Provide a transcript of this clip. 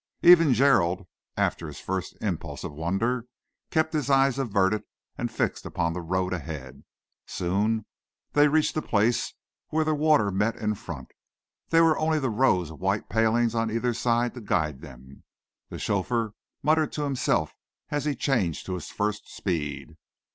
Even Gerald, after his first impulse of wonder, kept his eyes averted and fixed upon the road ahead. Soon they reached a place where the water met in front. There were only the rows of white palings on either side to guide them. The chauffeur muttered to himself as he changed to his first speed.